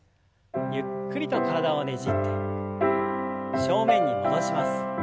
ゆっくりと体をねじって正面に戻します。